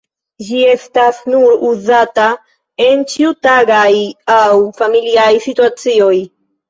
Ĝi estas nur uzata en ĉiutagaj aŭ familiaj situacioj.